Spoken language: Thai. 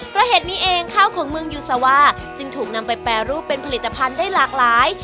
เพราะเห็ดนี้เองข้าวของเมืองยูซาวาจึงถูกนำไปแปรรูปเป็นผลิตภัณฑ์ได้หลากหลาย